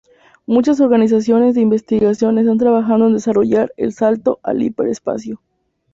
Muchas organizaciones de investigación están trabajando en desarrollar el salto al hiper-espacio.